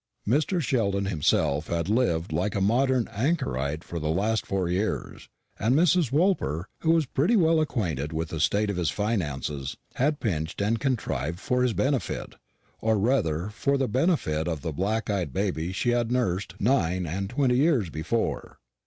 Mr. Sheldon himself had lived like a modern anchorite for the last four years; and Mrs. Woolper, who was pretty well acquainted with the state of his finances, had pinched and contrived for his benefit, or rather for the benefit of the black eyed baby she had nursed nine and twenty years before.